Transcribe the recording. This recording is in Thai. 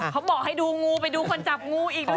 เขาบอกให้ดูงูไปดูคนจับงูอีกด้วย